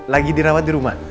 lagi dirawat di rumah